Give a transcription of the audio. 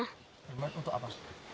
bermanfaat untuk apa